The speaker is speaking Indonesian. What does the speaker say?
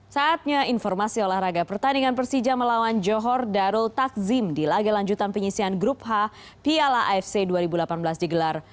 saatnya informasi olahraga pertandingan persija melawan johor darul takzim di laga lanjutan penyisian grup h piala afc dua ribu delapan belas digelar